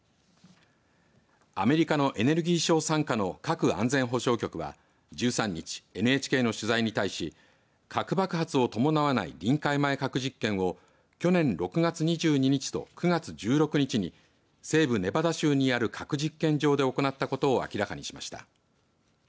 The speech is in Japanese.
アメリカのエネルギー省傘下の核安全保障局は１３日ＮＨＫの取材に対し核爆発を伴わない臨界前核実験を去年６月２２日と９月１６日に西部ネバダ州にある核実験場で行ったことを明らかにしました。